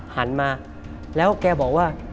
หันมาแล้วแกบอกว่า